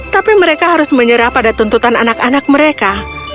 tapi mereka harus menyerah pada tuntutan anak anak mereka